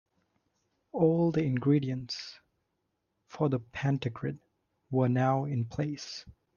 All the ingredients for the pentagrid were now in place.